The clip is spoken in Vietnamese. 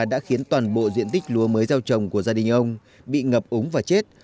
đã khiến toàn bộ diện tích lúa mới gieo trồng của gia đình ông bị ngập úng và chết